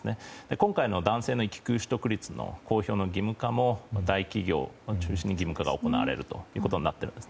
今回の男性の育休取得率公表義務化も大企業を中心に義務化が行われることになっています。